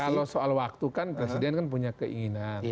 kalau soal waktu kan presiden kan punya keinginan